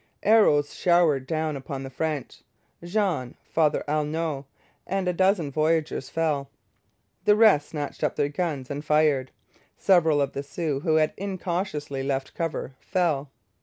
Arrows showered down upon the French. Jean, Father Aulneau, and a dozen voyageurs fell. The rest snatched up their guns and fired. Several of the Sioux, who had incautiously left cover, fell.